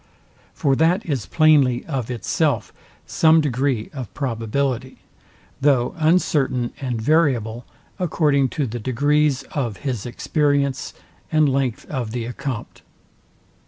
For that is plainly of itself some degree of probability; though uncertain and variable, according to the degrees of his experience and length of the accompt.